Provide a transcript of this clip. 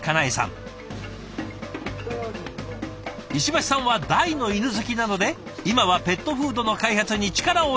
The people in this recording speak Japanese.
石橋さんは大の犬好きなので今はペットフードの開発に力を入れているんだとか。